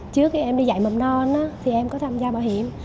trước khi em đi dạy mầm non thì em có tham gia bảo hiểm